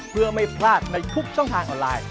เพื่อไม่พลาดในทุกช่องทางออนไลน์